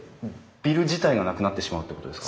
ビル自体がなくなってしまうってことですか？